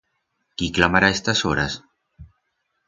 Quí clamará a estas horas?